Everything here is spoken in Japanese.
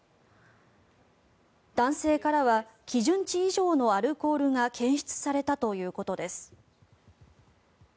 男性からは基準値以上のアルコールが検出されたということです。